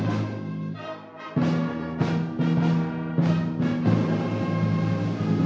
dia mendapat uang dalam ier lucu